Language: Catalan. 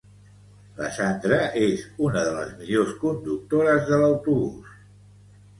La Sandra és una de les millors conductores de l'autobús